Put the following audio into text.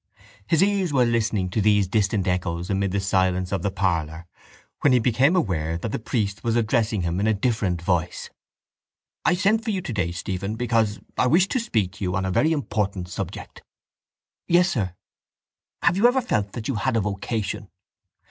His ears were listening to these distant echoes amid the silence of the parlour when he became aware that the priest was addressing him in a different voice. —I sent for you today, Stephen, because I wished to speak to you on a very important subject. —Yes, sir. —Have you ever felt that you had a vocation?